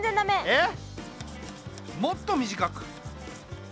えっ？